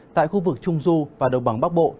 tại khu vực trung du và đồng bằng bắc bộ